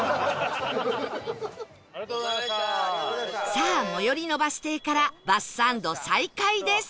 さあ最寄りのバス停からバスサンド再開です